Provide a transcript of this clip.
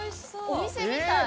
お店みたい。